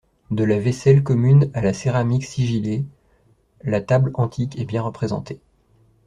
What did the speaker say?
De la vaisselle commune à la céramique sigillée, la table antique est bien représentée.